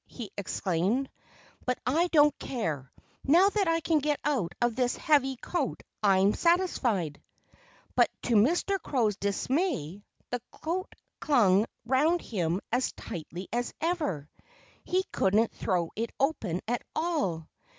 he exclaimed. "But I don't care. Now that I can get out of this heavy coat, I'm satisfied." But to Mr. Crow's dismay, the coat clung round him as tightly as ever. He couldn't throw it open at all.